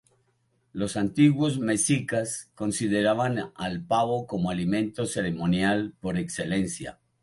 Los antiguos mexicas consideraban al pavo como alimento ceremonial por excelencia.